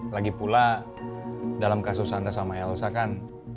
lagi pula dalam kasus sandra sama elsa kan